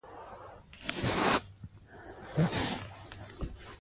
هغه وخت میندې په خپلو ماشومانو بوختې وې.